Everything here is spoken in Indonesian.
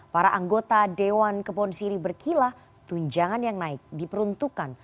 para anggota dewan keponsiri berkilah tunjangan yang naik diperuntukkan